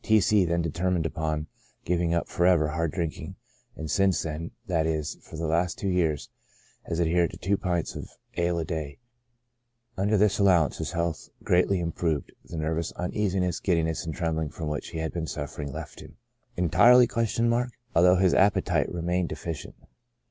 T. C — then determined upon giving up for ever hard drinking, and since then, that is, for the last two years, has adhered to two pints of ale a day. Under this allowance his health greatly improved, the nervous uneasiness, giddi ness and trembling from which he had been suffering left him (entirely ?) although his appetite remained deficient.